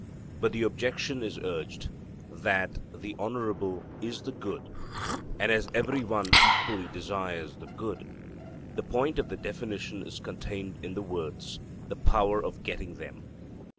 But the objection is urged, 'that the honourable is the good,' and as every one equally desires the good, the point of the definition is contained in the words, 'the power of getting them.'